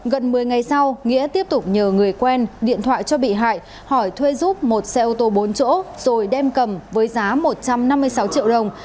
gần một mươi ngày sau nghĩa tiếp tục nhờ người quen điện thoại cho bị hại hỏi thuê giúp một xe ô tô bốn chỗ rồi đem cầm với giá một trăm năm mươi sáu triệu đồng